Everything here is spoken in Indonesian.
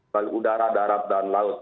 ke udara darat dan laut